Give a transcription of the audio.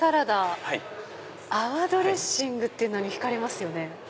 泡ドレッシングっていうのに引かれますよね。